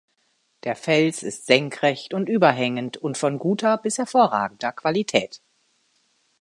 Der Fels ist senkrecht bis überhängend und von guter bis hervorragender Qualität.